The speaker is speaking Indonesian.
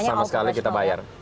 sama sekali kita bayar